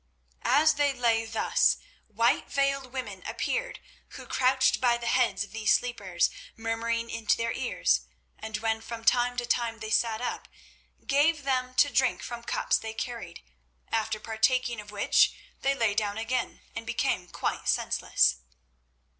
As they lay thus, white veiled women appeared, who crouched by the heads of these sleepers, murmuring into their ears, and when from time to time they sat up, gave them to drink from cups they carried, after partaking of which they lay down again and became quite senseless.